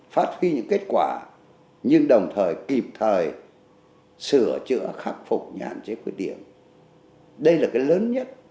phát huy những kết quả nhưng đồng thời kịp thời sửa chữa khắc phục hạn chế khuyết điểm đây là cái lớn nhất